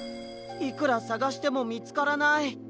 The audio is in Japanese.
いくらさがしてもみつからない！